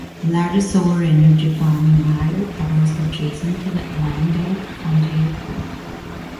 The largest solar energy farm in Ohio covers adjacent to the Wyandot County Airport.